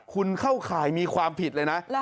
คุณเข้าข่ายมีความผิดเลยนะ